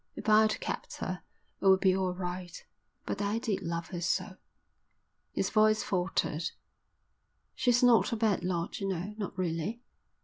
If I'd kept her it would be all right. But I did love her so." His voice faltered. "She's not a bad lot, you know, not really.